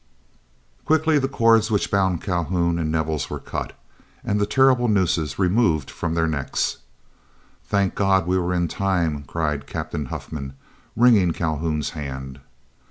Quickly the cords which bound Calhoun and Nevels were cut, and the terrible nooses removed from their necks. "Thank God, we were in time!" cried Captain Huffman, wringing Calhoun's hand.